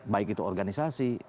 baik itu organisasi